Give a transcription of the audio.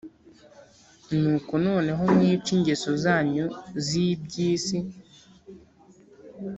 Nuko noneho mwice ingeso zanyu z’iby’isi